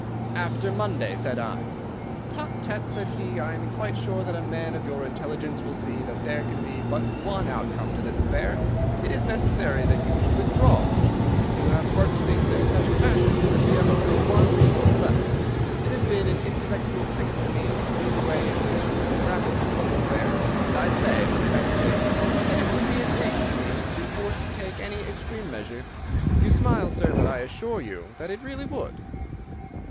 "'After Monday,' said I. "'Tut, tut,' said he. 'I am quite sure that a man of your intelligence will see that there can be but one outcome to this affair. It is necessary that you should withdraw. You have worked things in such a fashion that we have only one resource left. It has been an intellectual treat to me to see the way in which you have grappled with this affair, and I say, unaffectedly, that it would be a grief to me to be forced to take any extreme measure. You smile, sir, but I assure you that it really would.